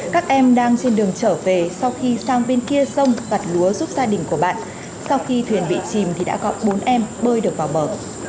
các em đang trên đường trở về sau khi sang bên kia sông vặt lúa giúp gia đình của bạn sau khi thuyền bị chìm thì đã có bốn em bơi được vào bờ